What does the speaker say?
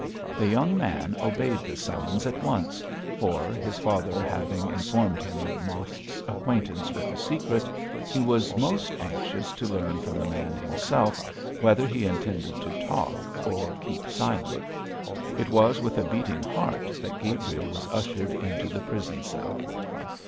The young man obeyed the summons at once, for, his father having informed him of Mosk's acquaintance with the secret, he was most anxious to learn from the man himself whether he intended to talk or keep silent. It was with a beating heart that Gabriel was ushered into the prison cell.